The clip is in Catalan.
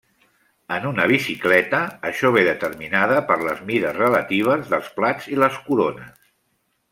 En una bicicleta, això ve determinada per les mides relatives dels plats i les corones.